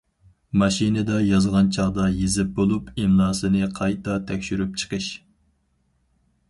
ماشىنىدا يازغان چاغدا يېزىپ بولۇپ ئىملاسىنى قايتا تەكشۈرۈپ چىقىش.